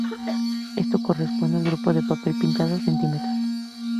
Esto corresponde al grupo de papel pintado cm.